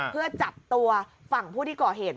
เพื่อจับตัวฝั่งผู้ที่ก่อเหตุ